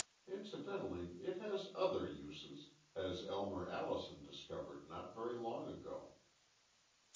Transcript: Incidentally, it has other uses as Elmer Allison discovered not very long ago."